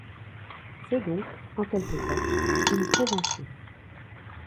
C'est donc, en quelque sorte, une prévention.